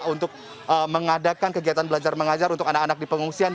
untuk mengadakan kegiatan belajar mengajar untuk anak anak di pengungsian